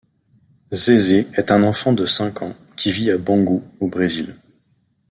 Zézé est un enfant de cinq ans, qui vit à Bangu, au Brésil.